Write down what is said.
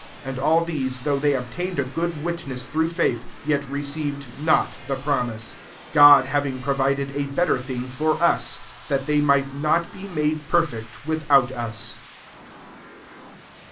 39 And all these, though they obtained a good witness through faith, yet received not the promise : 40 God having provided a better thing for us, that they might not be made perfect without us.